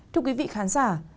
thưa quý vị khán giả